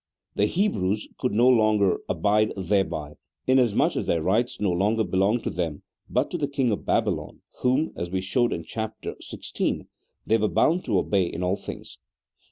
The Hebrews could no longer abide thereby, inasmuch as their rights no longer belonged to them but to the king of Babylon, whom (as we showed in Chapter XYT.) they were bound to obey in all things.